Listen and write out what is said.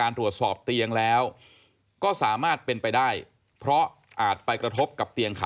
ร้องร้องร้องร้องร้องร้องร้องร้อง